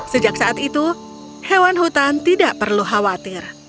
sejak saat itu hewan hutan tidak perlu khawatir